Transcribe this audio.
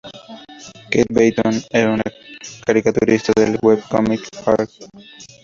Kate Beaton, una caricaturista del webcomic "Hark!